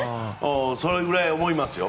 それくらい思いますよ。